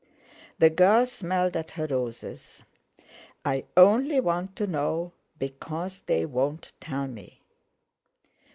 The girl smelled at her roses. "I only want to know because they won't tell me."